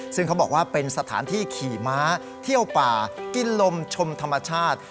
ซึ่งเขาบอกว่าเป็นสถานที่ขี่ม้าเที่ยวป่ากินลมชมธรรมชาติ